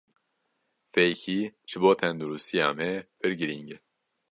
Fêkî ji bo tendirustiya me pir girîng e.